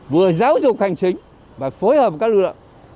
vừa giáo dục hành chính và phối hợp các lưu lợi